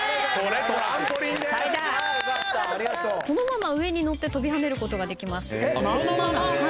このまま上に乗って跳びはねることができます。